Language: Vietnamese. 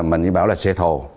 mình bảo là xe thồ